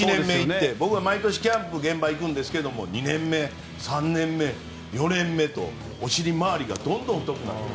僕は毎年キャンプの現場に行くんですが２年目、３年目４年目と押し利回りがどんどん太くなってくる。